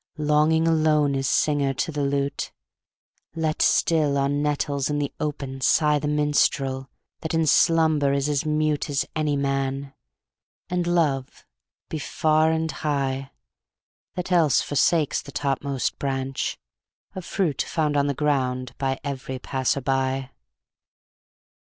Longing alone is singer to the lute; Let still on nettles in the open sigh The minstrel, that in slumber is as mute As any man, and love be far and high, That else forsakes the topmost branch, a fruit Found on the ground by every passer by.